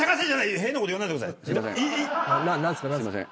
すいません。